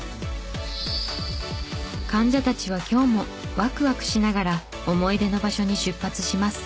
患者たちは今日もワクワクしながら思い出の場所に出発します。